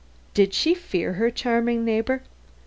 Did she fear her charming neighbor?